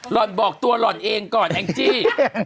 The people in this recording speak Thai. ห่อนบอกตัวหล่อนเองก่อนแองจี้